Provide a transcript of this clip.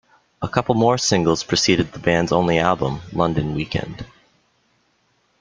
A couple more singles preceded the band's only album, "London Weekend".